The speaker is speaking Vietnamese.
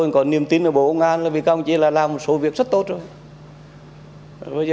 tôi còn niềm tin ở bộ công an là vì các ông chỉ là làm một số việc rất tốt rồi